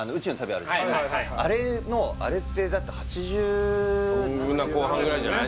はいはいあれのあれってだって８０後半ぐらいじゃない？